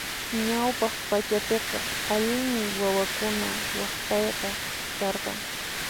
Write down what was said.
Ñawpaq pachapiqa allinmi wawakuna waqtayqa karqan.